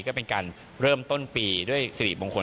ก็เป็นการเริ่มต้นปีด้วยสิริมงคล